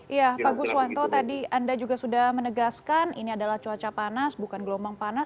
iya pak guswanto tadi anda juga sudah menegaskan ini adalah cuaca panas bukan gelombang panas